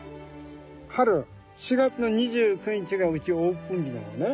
春４月の２９日がうちオープン日なのね。